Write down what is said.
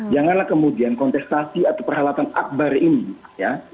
janganlah kemudian kontestasi atau perhelatan akbar ini ya